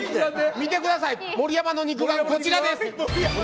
見てください盛山の肉眼、こちらです。